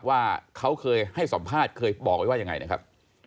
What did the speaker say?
ว่าเขาเคยให้สัมภาษณ์เคยบอกไว้ว่ายังไงนะครับ